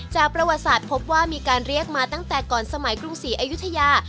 ประวัติศาสตร์พบว่ามีการเรียกมาตั้งแต่ก่อนสมัยกรุงศรีอายุทยา